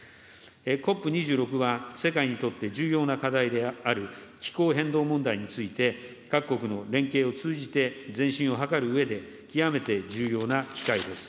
ＣＯＰ２６は、世界にとって重要な課題である気候変動問題について、各国の連携を通じて前進を図るうえで、極めて重要な機会です。